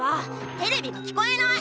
テレビが聞こえない！